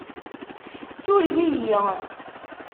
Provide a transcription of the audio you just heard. Sureg-iyi.